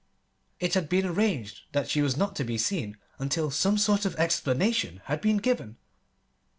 It had been arranged that she was not to be seen until some sort of explanation had been given.